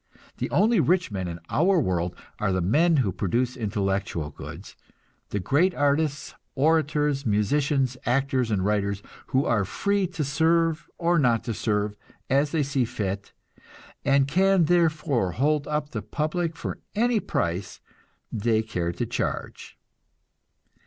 The only rich men in our world are the men who produce intellectual goods; the great artists, orators, musicians, actors and writers, who are free to serve or not to serve, as they see fit, and can therefore hold up the public for any price they care to charge.